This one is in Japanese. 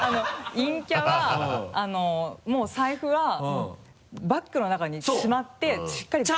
陰キャはもう財布はバッグの中にしまってそう！